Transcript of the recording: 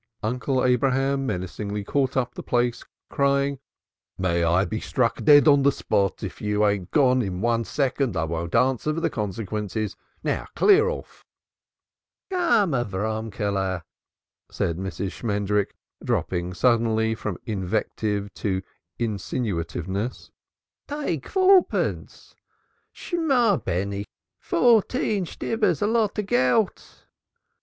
Uncle Abraham menacingly caught up the plaice, crying: "May I be struck dead on the spot, if you ain't gone in one second I won't answer for the consequences. Now, then, clear off!" "Come, Avroomkely," said Mrs. Shmendrik, dropping suddenly from invective to insinuativeness. "Take fourteenpence. Shemah, beni! Fourteen Shtibbur's a lot of _Gelt."